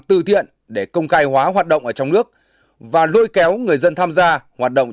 tư thiện để công khai hóa hoạt động ở trong nước và lôi kéo người dân tham gia hoạt động